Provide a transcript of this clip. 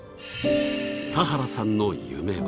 田原さんの夢は。